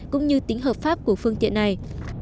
cũng như tính hợp pháp của phương tiện này